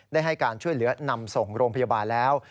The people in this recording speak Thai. ได้ให้การช่วยเหลือนำส่งโรงพยาบาลแล้ว